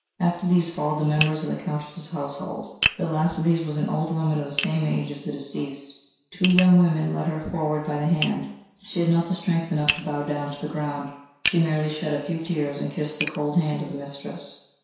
After these followed the members of the Countess's household. The last of these was an old woman of the same age as the deceased. Two young women led her forward by the hand. She had not strength enough to bow down to the ground she merely shed a few tears and kissed the cold hand of her mistress.